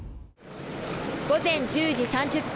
午前１０時３０分